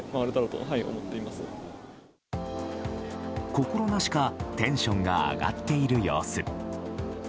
心なしかテンションが上がっている様子。